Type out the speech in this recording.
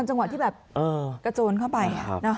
จังหวะที่แบบกระโจนเข้าไป